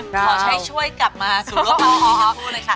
จ้าวขอใช้ช่วยกลับมาสู่ร่วมภาพที่ชมพูเลยค่ะ